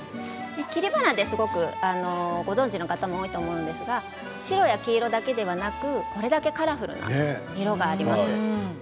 切り花でご存じの方も多いと思いますが白や黄色だけではなくこれだけカラフルな色があります。